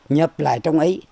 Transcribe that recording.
nhập lại trong ấy